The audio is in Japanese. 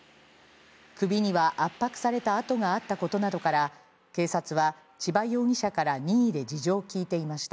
首には圧迫された痕があったことなどから、警察は千葉容疑者から任意で事情を聴いていました。